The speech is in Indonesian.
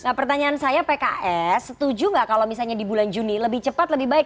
nah pertanyaan saya pks setuju nggak kalau misalnya di bulan juni lebih cepat lebih baik